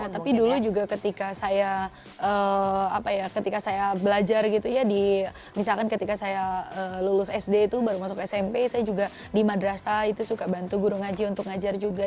iya tapi dulu juga ketika saya belajar gitu ya misalkan ketika saya lulus sd itu baru masuk smp saya juga di madrasa itu suka bantu guru ngaji untuk ngajar juga